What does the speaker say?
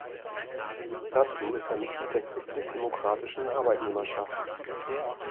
Dazu ist er Mitglied der Christlich-Demokratischen Arbeitnehmerschaft.